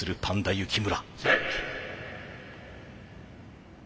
幸村！